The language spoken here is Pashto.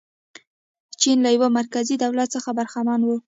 چین له یوه مرکزي دولت څخه برخمن و.